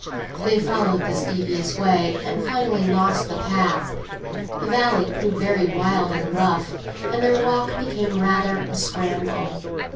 They followed this devious way, and finally lost the path; the valley proved very wild and rough, and their walk became rather a scramble.